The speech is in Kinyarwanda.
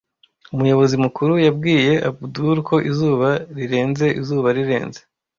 Umuyobozi mukuru yabwiye Abudul ko izuba rirenze izuba rirenze.